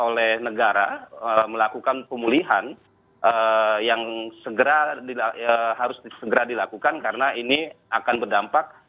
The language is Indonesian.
oleh negara melakukan pemulihan yang harus segera dilakukan karena ini akan berdampak